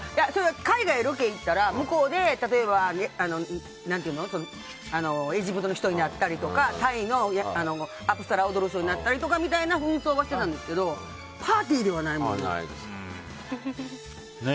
海外にロケ行ったら向こうでエジプトの人になったりとかタイの踊る人になったりとか扮装してたんですけどパーティーではないもんな。